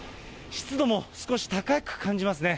湿度も少し高く感じますね。